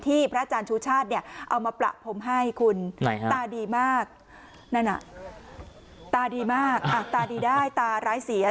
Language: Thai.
ที่พระอาจารย์ชูชาติเอามาประผมให้คุณตาดีมากตาดีได้ตาร้ายเสีย